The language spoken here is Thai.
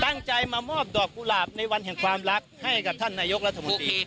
ตั้งใจมามอบดอกกุหลาบในวันแห่งความรักให้กับท่านนายกรัฐมนตรี